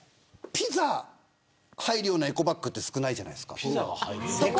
ピザが入るようなエコバッグって少ないじゃないですか。